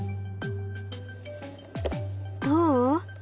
どう？